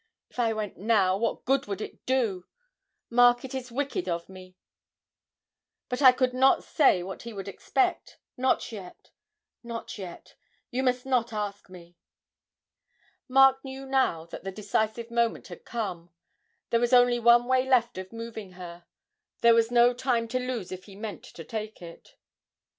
If I went now, what good would it do? Mark; it is wicked of me, but I could not say what he would expect not yet, not yet you must not ask me.' Mark knew now that the decisive moment had come: there was only one way left of moving her; there was no time to lose if he meant to take it.